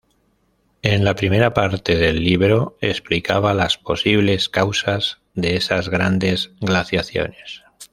En la primera parte del libro explicaba las posibles causas de esas grandes glaciaciones.